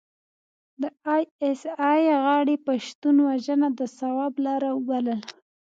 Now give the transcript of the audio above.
د ای اس ای غاړې پښتون وژنه د ثواب لاره وبلله.